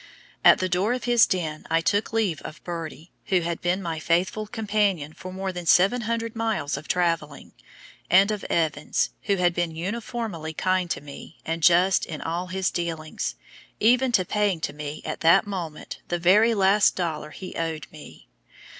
At the door of his den I took leave of Birdie, who had been my faithful companion for more than 700 miles of traveling, and of Evans, who had been uniformly kind to me and just in all his dealings, even to paying to me at that moment the very last dollar he owed me.